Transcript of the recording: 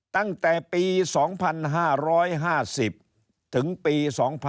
ตั้งแต่ปี๒๕๕๐ถึงปี๒๕๖๒